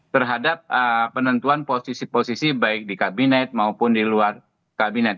terhadap penentuan posisi posisi baik di kabinet maupun di luar kabinet